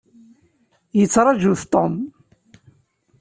Yettṛaju-t Tom.